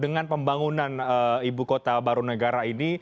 dengan pembangunan ibu kota baru negara ini